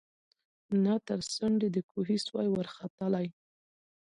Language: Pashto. نه تر څنډی د کوهي سوای ورختلای